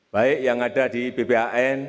baik yang ada di bphn